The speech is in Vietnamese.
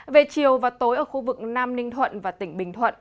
về chiều và tối ở khu vực nam ninh thuận và tỉnh bình thuận